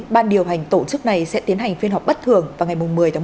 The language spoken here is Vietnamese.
ban điều hành tổ chức này sẽ tiến hành phiên họp bất thường vào ngày một mươi một